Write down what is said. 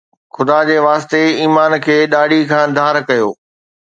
خدا جي واسطي، ايمان کي ڏاڙهي کان ڌار ڪيو